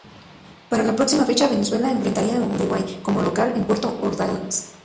Para la próxima fecha Venezuela enfrentaría a Uruguay como local en Puerto Ordaz.